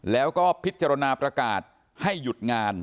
แล้วก็พิจารณาประกาศให้หยุดงาน